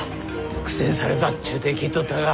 苦戦されたっちゅうて聞いとったが。